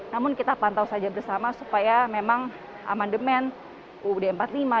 namun kita pantau saja bersama supaya memang amendement uu dasar seribu sembilan ratus empat puluh lima